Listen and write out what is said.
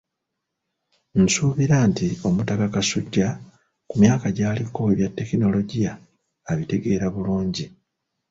Nsuubira nti Omutaka Kasujja ku myaka gy'aliko ebya tekinologiya abitegeera bulungi.